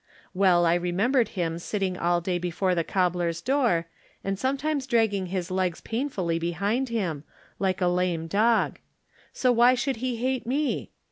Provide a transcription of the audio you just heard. Well I remembered him sitting all day before the cobbler's door, and sometimes dragging his legs painfully be hind him, like a lame dog. So why should he hate me?